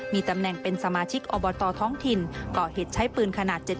มีตำแหน่งเป็นสมาชิกอบตท้องถิ่นก่อเหตุใช้ปืนขนาด๗๘